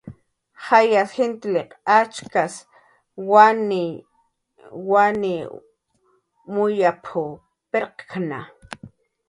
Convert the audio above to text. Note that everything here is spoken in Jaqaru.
"Jayas jintil achaks wanwaniw muyap"" pirqkna"